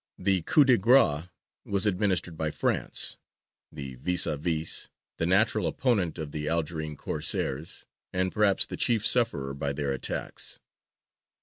The coup de grâce was administered by France the vis à vis, the natural opponent of the Algerine Corsairs, and perhaps the chief sufferer by their attacks.